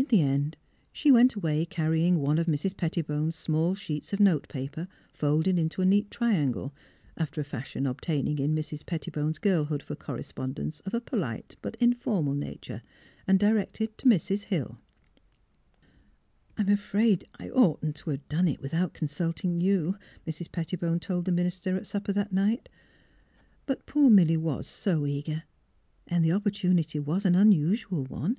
In the end, she went away carrying one of Mrs. Pettibone's small sheets of note paper, folded into a neat triangle, after a fashion obtaining in Mrs. Pettibone's girlhood for correspondence of a polite but informal nature, and directed to Mrs. Hill. ''I'm afraid I oughtn't to have done it, without consulting you," Mrs. Pettibone told the minister at supper that night. " But poor Milly was so eager, and the opportunity was an unusual one."